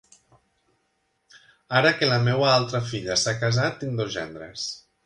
Ara que la meva altra filla s'ha casat, tinc dos gendres.